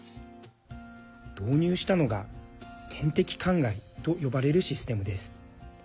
導入したのが、点滴かんがいと呼ばれるシステムです。